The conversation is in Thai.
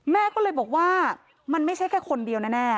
แม่ก็เลยบอกว่ามันไม่ใช่แค่คนเดียวแน่